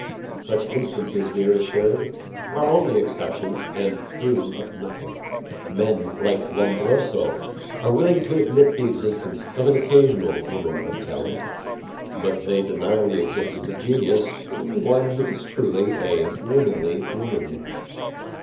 Such instances, we are assured, are only exceptions and prove nothing. Men like Lombroso are willing to admit the existence of an occasional woman of talent, but they deny the existence of genius in one who is truly a womanly woman.